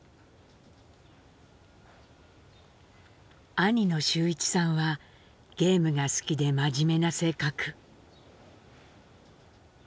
兄の舟一さんはゲームが好きで真面目な性格。